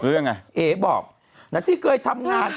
เอ๋บอกนางที่เคยทำงาน